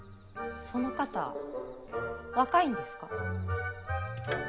その方若いんですか？